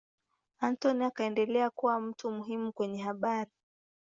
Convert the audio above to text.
Anthony akaendelea kuwa mtu muhimu kwenye habari.